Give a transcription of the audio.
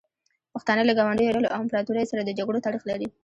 پښتانه له ګاونډیو ډلو او امپراتوریو سره د جګړو تاریخ لري.